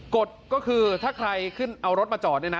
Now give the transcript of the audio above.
กฎก็คือถ้าใครขึ้นเอารถมาจอดเนี่ยนะ